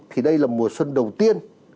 thì đây là mùa xuân đầu tiên